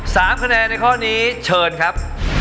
สามคะแนนในข้อนี้เชิญครับ